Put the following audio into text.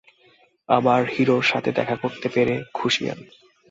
আমার হিরোর সাথে দেখা করতে পেরে খুশি আমি।